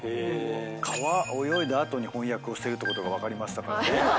川泳いだ後に翻訳をしてるってことが分かりましたからね。